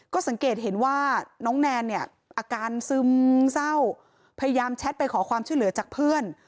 ก็สังเกตเห็นว่าน้องแนนเนี่ยอาการซึมเศร้าพยายามแชทไปขอความช่วยเหลือจากเพื่อน